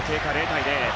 ０対０